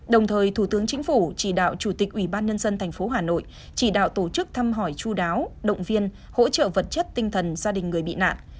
đồng thời thủ tướng chính phủ chỉ đạo chủ tịch ủy ban nhân dân tp hà nội chỉ đạo tổ chức thăm hỏi chú đáo động viên hỗ trợ vật chất tinh thần gia đình người bị nạn